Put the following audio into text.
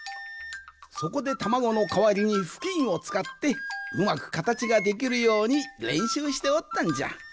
そこでたまごのかわりにふきんをつかってうまくかたちができるようにれんしゅうしておったんじゃ。